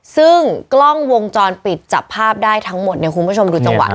ซึ่งกล้องวงจรปิดจับภาพได้ทั้งหมดเนี่ยคุณผู้ชมดูจังหวะ